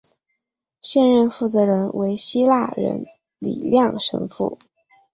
现任负责人为希腊人李亮神父。